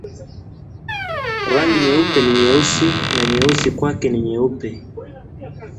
rangi nyeupe ni nyeusi na nyeusi kwake ni nyeupe